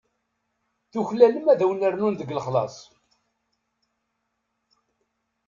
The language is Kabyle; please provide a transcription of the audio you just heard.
Tuklalem ad wen-rnun deg lexlaṣ.